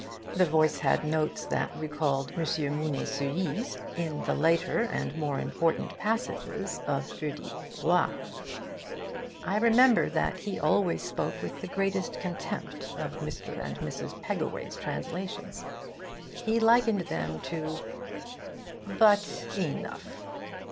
The voice had notes that recalled M. Mounet Sully's in the later and more important passages of Oedipe Roi. I remember that he always spoke with the greatest contempt of Mr. and Mrs. Pegaway's translations. He likened them to but enough!